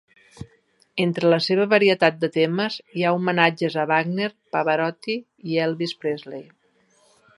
Entre la seva varietat de temes hi ha homenatges a Wagner, Pavarotti i Elvis Presley.